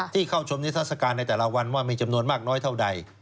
เข้าชมนิทัศกาลในแต่ละวันว่ามีจำนวนมากน้อยเท่าใด